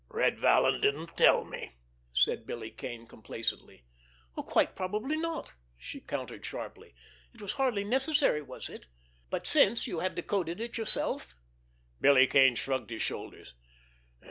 "Red Vallon didn't tell me," said Billy Kane complacently. "Quite probably not!" she countered sharply. "It was hardly necessary, was it? But since you have decoded it yourself?" Billy Kane shrugged his shoulders.